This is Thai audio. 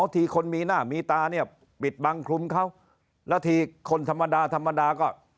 ทีคนมีหน้ามีตาเนี่ยปิดบังคลุมเขาแล้วทีคนธรรมดาธรรมดาก็